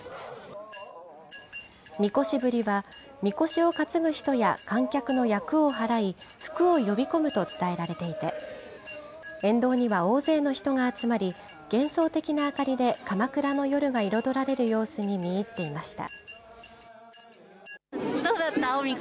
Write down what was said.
神輿ぶりは、みこしを担ぐ人や観客の厄を払い、福を呼び込むと伝えられていて、沿道には大勢の人が集まり、幻想的な明かりで、鎌倉の夜が彩られる様子に見入っていました。